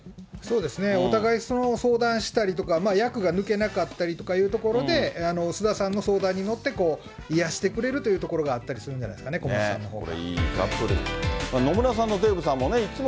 お互い、その相談をしたりとか、役が抜けなかったりとかいうところで、菅田さんの相談に乗って、癒やしてくれるというところがあったりするんじゃないですかね、小松さんのほうが。